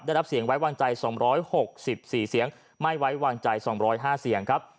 ได้รับเสียงไว้วางใจสองร้อยหกสิบสี่เสียงไม่ไว้วางใจสองร้อยห้าเสียงครับ